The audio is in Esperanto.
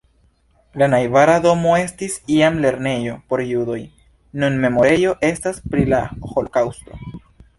La najbara domo estis iam lernejo por judoj, nun memorejo estas pri la holokaŭsto.